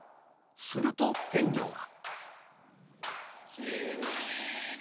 すると天女は。